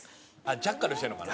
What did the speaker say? ジャッカルしてんのかな？